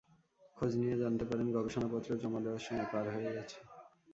খোঁজ নিয়ে জানতে পারেন, গবেষণাপত্র জমা দেওয়ার সময় পার হয়ে গেছে।